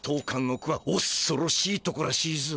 ごくはおっそろしいとこらしいぞ。